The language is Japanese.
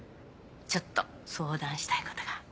ちょっと相談したいことが。